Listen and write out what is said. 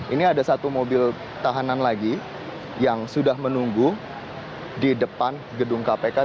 ini ada satu mobil tahanan lagi yang sudah menunggu di depan gedung kpk